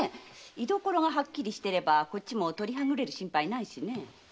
居所がはっきりしてれば取りはぐれる心配ないしね。